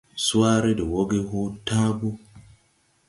Swaare de wɔge hoo tããgu.